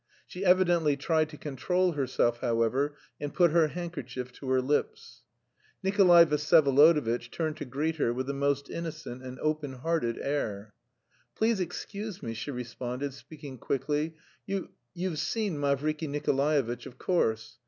She evidently tried to control herself, however, and put her handkerchief to her lips. Nikolay Vsyevolodovitch turned to greet her with a most innocent and open hearted air. "Please excuse me," she responded, speaking quickly. "You... you've seen Mavriky Nikolaevitch of course....